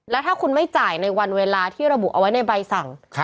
แล้วถ้าคุณไม่จ่ายในวันเวลาที่ระบุเอาไว้ในใบสั่ง